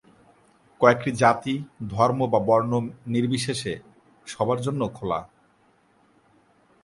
কলেজটি জাতি, ধর্ম বা বর্ণ নির্বিশেষে সবার জন্য খোলা।